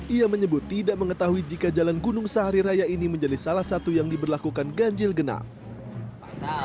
ia menyebut tidak mengetahui jika jalan gunung sahari raya ini menjadi salah satu yang diberlakukan ganjil genap